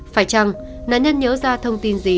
phải chăng nạn nhân nhớ ra thông tin gì